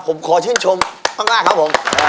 ผมขอชื่นชมข้างล่างครับผม